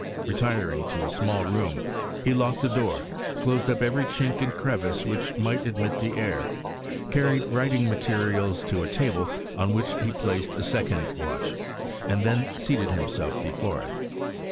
Re tiring to a small room, he locked the door, closed up every chink and crevice which might admit the air, carried writing materials to a table, on which he placed a second watch, and then seated himself before it.